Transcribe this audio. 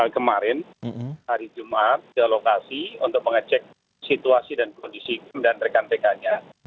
kemarin hari jumat ke lokasi untuk mengecek situasi dan kondisi hukum dan rekan rekannya